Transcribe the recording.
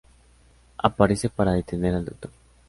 Aparece para detener al Dr.